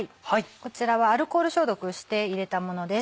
こちらはアルコール消毒して入れたものです。